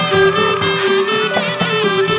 โปรดติดตามต่อไป